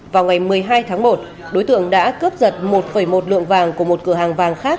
vào ngày một mươi hai tháng một đối tượng đã cướp giật một một lượng vàng của một cửa hàng vàng khác